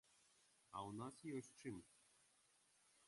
А ў нас ёсць чым.